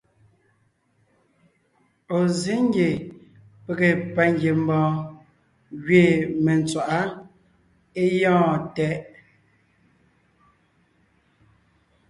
Ɔ̀ zsé ngie pege pangiembɔɔn gẅiin mentswaʼá é gyɔ̂ɔn tɛʼ.